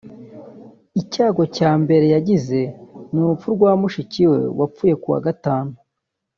Icyago cya mbere yagize ni urupfu rwa mushiki we wapfuye kuwa Gatanu